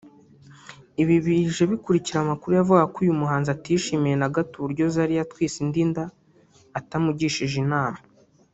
Ibi bije bikurikira amakuru yavugaga ko uyu muhanzi atishimiye na gato uburyo Zari yatwise indi nda atamugishije inama